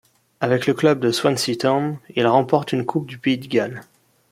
Avec le club de Swansea Town, il remporte une Coupe du pays de Galles.